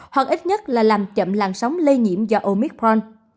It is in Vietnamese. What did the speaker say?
hoặc ít nhất là làm chậm làn sóng lây nhiễm do omicron